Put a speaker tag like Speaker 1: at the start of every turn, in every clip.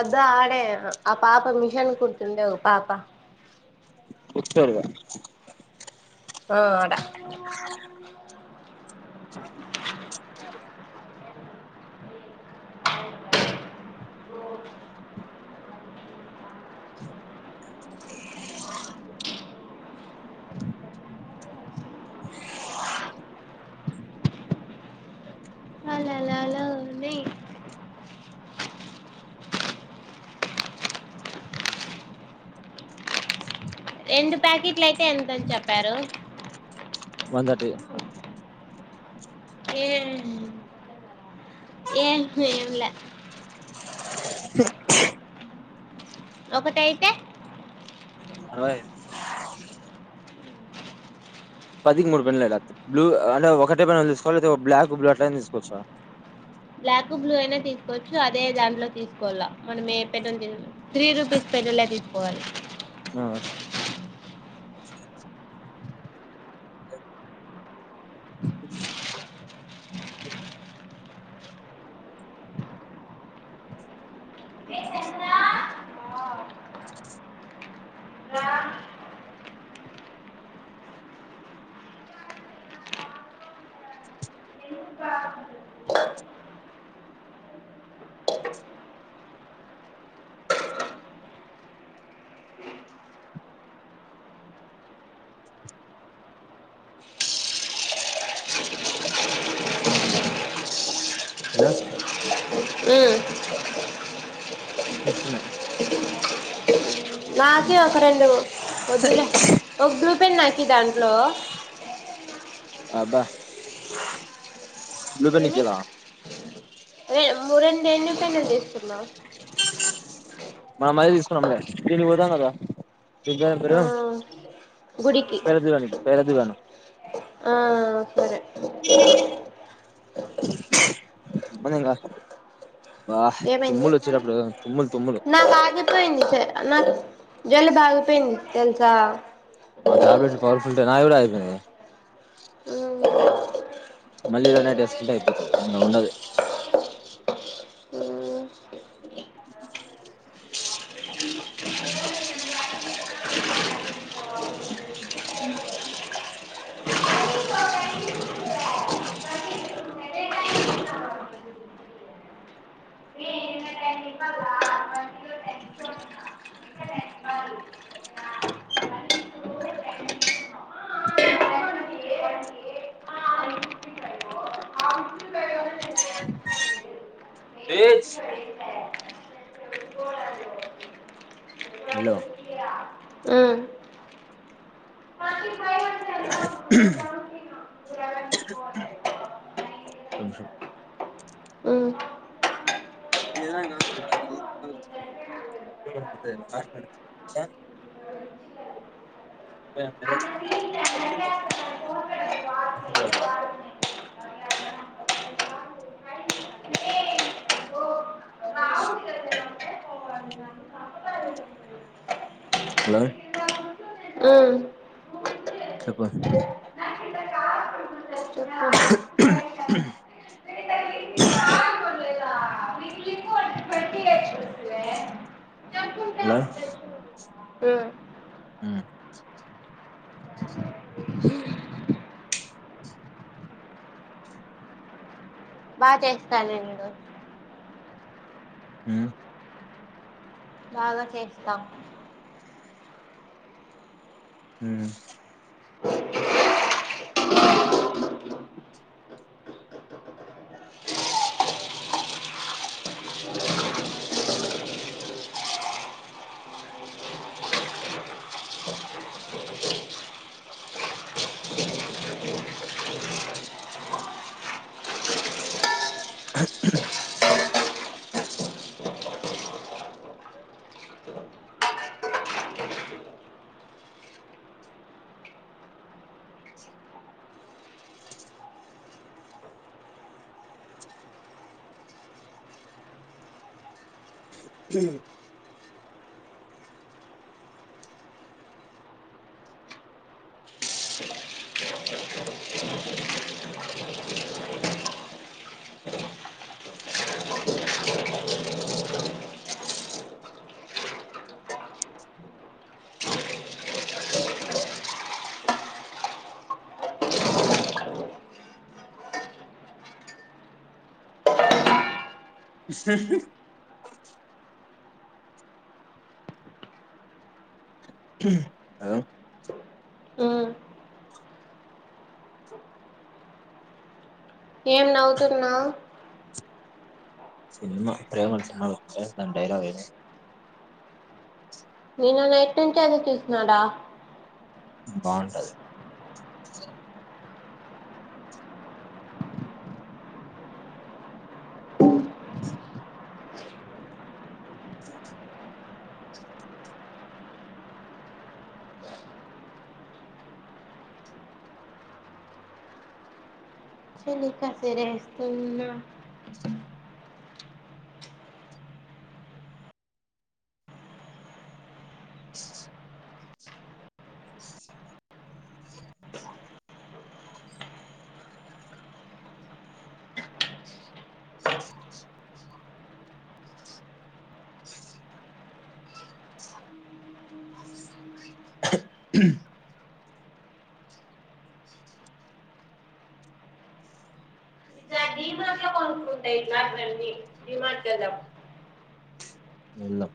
Speaker 1: అద్దఅడే ఆ పాప మిషన్ కుడుతుండే ఒ పాప
Speaker 2: కుట్టొడుగా
Speaker 1: ఆ ఆడా ఓ కళలలోని రెండు ప్యాకెట్లు అయితే ఎంతని చెప్పారు
Speaker 2: వందటి
Speaker 1: ఏం ఏంకు ఎమ్ల ఒకటైతే
Speaker 2: అరవై పదికి మూడు పెన్నులు లేడా అత్తై బ్లూ అంటే ఒకటే పెన్నులు తీసుకోవాల లేతే ఒక బ్లాక్ బ్లూ అట్లైన తీసుకోవచ్చా
Speaker 1: బ్లాక్ బ్లూ అయినా తీసుకోవచ్చు అదే దాంట్లో తీసుకోవాల్ల మనం ఏ పెన్నును త్రీ రుపీస్ పెన్నులే తీసుకోవాలి
Speaker 2: ఆ స అ హలో
Speaker 1: ఉమ్
Speaker 2: తీసుకున్న
Speaker 1: నాకీ యి ఒక రెండు వద్దులే ఒక బ్లూ పెన్ నా కియి దాంట్లో
Speaker 2: అబ్బా బ్లూ పేన్ నికియాల
Speaker 1: ఏ ము రెండు ఎన్నీ పెన్నులు తీస్తున్నావు
Speaker 2: మనం మది తీసుకున్నాంలే దీనికి పోతాం కదా తుగరు
Speaker 1: ఆ
Speaker 2: బ్రో
Speaker 1: గుడికి
Speaker 2: పేడా దువానికి పేడా దుగాను
Speaker 1: ఆ సరే
Speaker 2: బానింగ
Speaker 1: ఏమైంది
Speaker 2: తుమ్ములు
Speaker 1: నాకు ఆగిపోయింది స నాకు జలుబు ఆగిపోయింది తెల్సా
Speaker 2: టాబ్లెట్లు పవర్ఫుల్ దే నాది కూడా ఆగిపోయింది
Speaker 1: ఉమ్
Speaker 2: మళ్ళీ రెండు నైటేసుకుంటే అయిపోతుది ఇంగా ఉండదు
Speaker 1: ఉమ్
Speaker 2: తెజ్ హలో ఒక్క నిమిషం ఇదిదా కాతు దగో హలో
Speaker 1: ఉమ్
Speaker 2: చెప్ప [unintelligible]
Speaker 1: ఉమ్
Speaker 2: అలాస్ మ్
Speaker 1: బాగా చేస్తానండ
Speaker 2: మ్
Speaker 1: బాగా చేస్తాం
Speaker 2: మ్ [unintelligible] హ [inaudible] [unintelligible] హలో
Speaker 1: మ్ ఏం నవ్వుతున్నావు
Speaker 2: సినిమా [unintelligible] డైలాగ్
Speaker 1: నిన్న నైట్ నుంచి అది చూస్తున్నాడా
Speaker 2: బాగుంటది
Speaker 1: చలి కసిరేస్తున్నా [unintelligible] హిమాచలం
Speaker 2: ఎల్లాం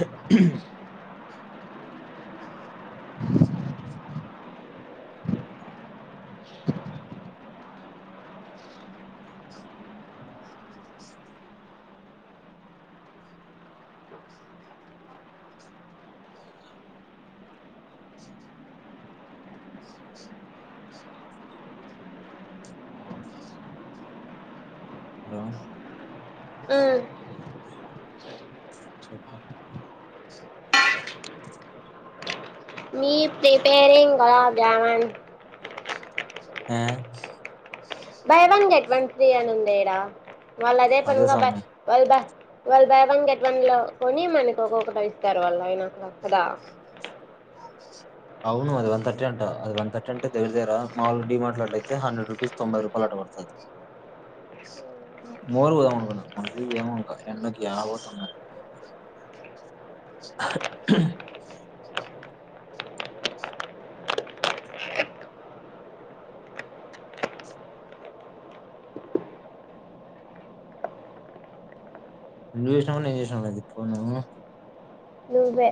Speaker 2: [unintelligible] హలో
Speaker 1: మ్
Speaker 2: చెప్పాలి
Speaker 1: మీ ప్రిపేరింగ్ భాడా బ్యావన్
Speaker 2: ఆ
Speaker 1: buy one get one free అని ఉంది ఈడ వాళ్లు అదే [unintelligible] వాళ్లు బై వన్ గెట్ వన్ లో కొని మనకు ఒక్కొక్కటి ఇస్తారు వాళ్ళు అయినా కదా
Speaker 2: అవును అది ఒన్ తర్టీ అంట అది ఒన్ తర్టీ అంటే టేబుల్ తేరా మామూలు డి మార్ట్ లో అట్లయితే హండ్రెడ్ రూపీస్ తొంబై రూపాలంట రూపాయలు వస్తది మోర్ పోదాం అనుకున్నా ఏమో ఇంకా ఎండకి ఏడబోతమ్
Speaker 1: [inaudible]
Speaker 2: [unintelligible] నువ్వు చేసినవా నేను చేసినాను ఫోను
Speaker 1: నువ్వే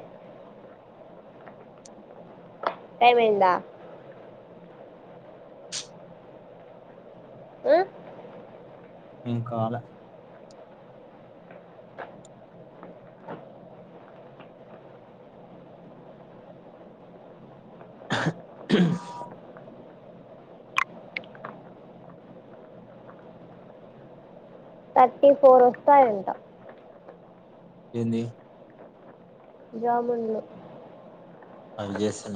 Speaker 1: టైం అయిందా ఆ
Speaker 2: ఇంకాల [unintelligible]
Speaker 1: తర్టీ ఫోర్ వస్తయంటా
Speaker 2: ఏంది
Speaker 1: జమున్లు
Speaker 2: అవి చేసిన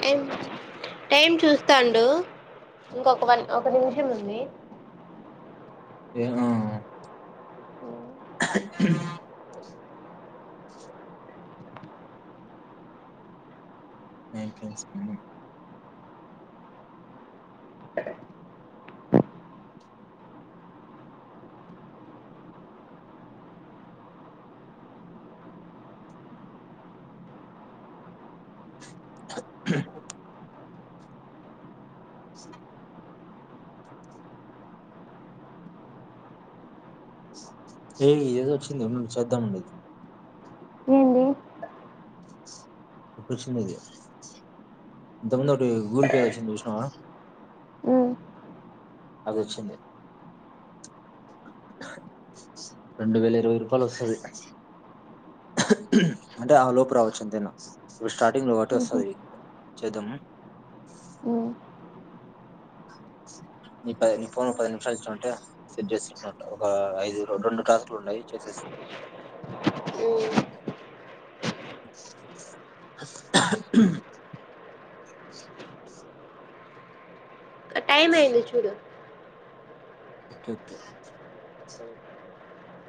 Speaker 1: టైం టైం చూస్తాండు ఇంకొక వన్ ఒక నిమిషం ఉంది
Speaker 2: ఏమో ఏం చేస్తున్నావ్ [unintelligible] [inaudible] ఏ ఇ ఏదో వచ్చింది చేద్దామండిది
Speaker 1: ఏంది
Speaker 2: విపక్షణది ఇంతముందు ఒకటి గుగుల్ పే వచ్చింది చూసినవా
Speaker 1: ఉమ్
Speaker 2: అగో వచ్చింది. రెండువేల ఇరవై రూపాయలు వస్తది. అంటే ఆ లోపు రావచ్చు ఎంతైన ష్ స్టార్టింగ్ లో ఒకటి
Speaker 1: ఉహు
Speaker 2: వస్తది చేద్దాము.
Speaker 1: ఉమ్
Speaker 2: నీ పది నీ పోను పది నిమిషాలు ఇచ్చినావంటే సెట్ చేసి ఒక ఐదు రెండు టాస్కులు ఉండాయి చేసేస్తా.
Speaker 1: మ్ టైమ్ అయింది చూడు.
Speaker 2: Okay okay